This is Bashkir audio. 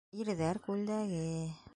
Ирҙәр күлдәге!